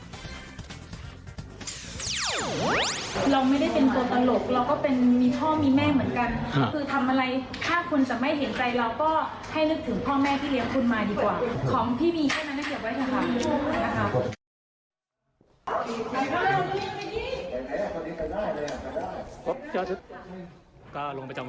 เราไม่ได้เป็นตัวตลกเราก็เป็นมีพ่อมีแม่เหมือนกัน